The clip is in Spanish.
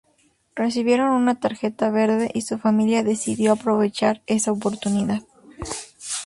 Recibieron una Tarjeta Verde y su familia decidió aprovechar esa oportunidad.